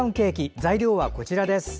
材料は、こちらです。